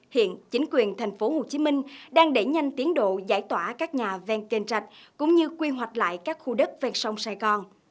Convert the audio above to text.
hiện chính quyền tp hcm đang đẩy nhanh tiến độ giải tỏa các nhà ven kênh rạch cũng như quy hoạch lại các khu đất ven sông sài gòn